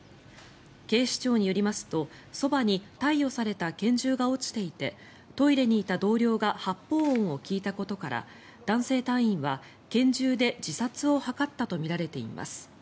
警視庁によりますと、そばに貸与された拳銃が落ちていてトイレにいた同僚が発砲音を聞いたことから男性隊員は拳銃で自殺を図ったとみられています。